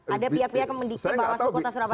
ada pihak pihak yang mendikti bawaslu kota surabaya